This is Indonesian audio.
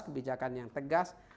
kebijakan yang tegas